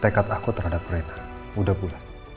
tekad aku terhadap rena udah bulan